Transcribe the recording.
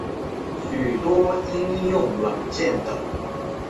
许多应用软件等。